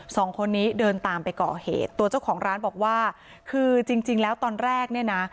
สองคนนี้เดินตามไปก่อเหตุตัวเจ้าของร้านบอกว่าคือจริงจริงแล้วตอนแรกเนี่ยนะ